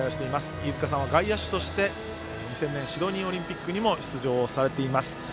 飯塚さんは外野手として２０００年シドニーオリンピックにも出場されています。